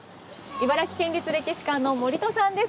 茨城県立歴史館の森戸さんです。